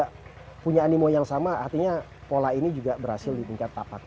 kalau punya animo yang sama artinya pola ini juga berhasil dibungkat tapak